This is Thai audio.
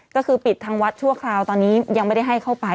ก็คือปิดทางวัดชั่วคราวตอนนี้ยังไม่ได้ให้เข้าไป